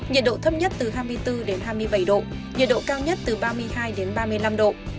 nhiệt độ thấp nhất từ hai mươi bốn đến hai mươi bảy độ nhiệt độ cao nhất từ ba mươi hai đến ba mươi năm độ